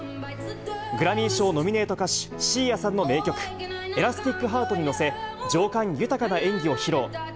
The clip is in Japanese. グラミー賞ノミネート歌手、シーアさんの名曲、エラスティックハートに乗せ、情感豊かな演技を披露。